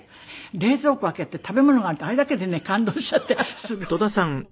冷蔵庫開けて食べ物があるってあれだけでね感動しちゃってすごい！